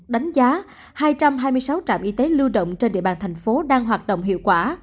đánh giá hai trăm hai mươi sáu trạm y tế lưu động trên địa bàn thành phố đang hoạt động hiệu quả